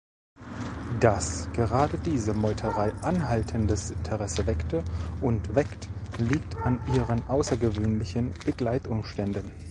Dass gerade diese Meuterei anhaltendes Interesse weckte und weckt, liegt an ihren außergewöhnlichen Begleitumständen.